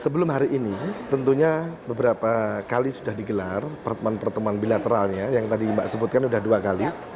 sebelum hari ini tentunya beberapa kali sudah digelar pertemuan pertemuan bilateralnya yang tadi mbak sebutkan sudah dua kali